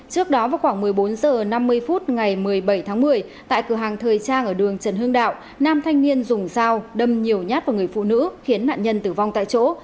trước đó vào khoảng một mươi bốn h năm mươi phút ngày một mươi bảy tháng một mươi tại cửa hàng thời trang ở đường trần hương đạo nam thanh niên dùng dao đâm nhiều nhát vào người phụ nữ khiến nạn nhân tử vong tại chỗ